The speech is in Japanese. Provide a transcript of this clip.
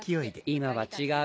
今は違う。